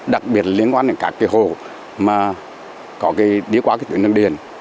đặc biệt liên quan đến các cái hồ mà có cái đi qua cái tuyển đường điền